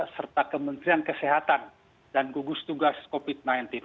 serta kementerian kesehatan dan gugus tugas covid sembilan belas